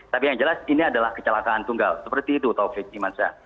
tapi yang jelas ini adalah kecelakaan tunggal seperti itu taufik imansyah